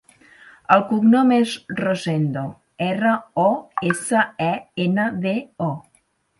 El cognom és Rosendo: erra, o, essa, e, ena, de, o.